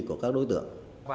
của các đối tượng